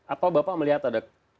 apa bapak melihat ada